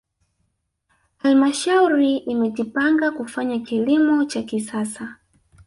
halmashauri imejipanga kufanya kilimo cha kisasa